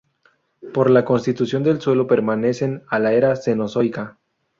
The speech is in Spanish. Por la constitución del suelo pertenecen a la era cenozoica.